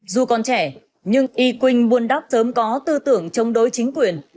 dù còn trẻ nhưng y quynh buôn đáp sớm có tư tưởng chống đối chính quyền